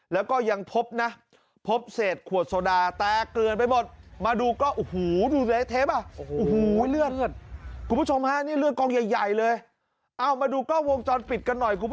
แล้วก็ปลอกกระสุนเปิดขนาด๓๘๑ปลอก